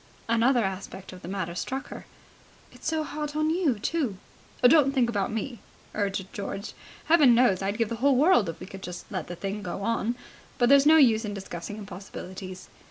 Another aspect of the matter struck her. "It's so hard on you, too." "Don't think about me," urged George. "Heaven knows I'd give the whole world if we could just let the thing go on, but there's no use discussing impossibilities."